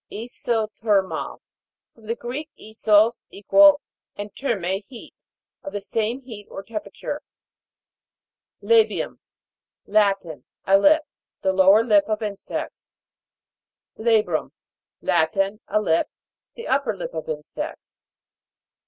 ISOTHER'MAL. From the Greek, isos, equal, and therme, heat. Of the same heat or temperature. LA'BIUM. Latin. A lip. The lower lip of insects. LA'BRUM. Latin. A lip. The up per lip of insects.